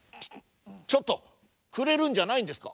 ちょっとくれるんじゃないんですか？